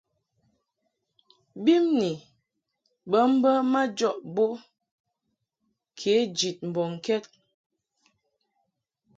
Bimni bə mbə majɔʼ bo kě jid mbɔŋkɛd.